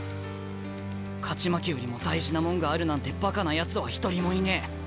勝ち負けよりも大事なもんがあるなんてバカなやつは一人もいねえ。